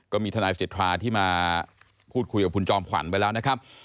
ก็มีทนายสิทธาที่มาพูดคุยกับคุณจอมขวัญไปแล้วนะครับ